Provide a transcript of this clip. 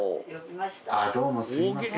どうもすいません。